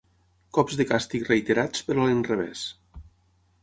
Cops de càstig reiterats, però a l'inrevés.